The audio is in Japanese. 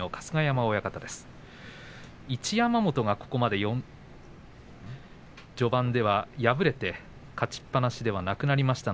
一山本、ここまで序盤では敗れて勝ちっぱなしはいなくなりました。